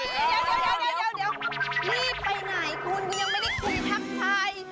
รีบไปไหนคูณกูยังไม่ได้คุยทักทาย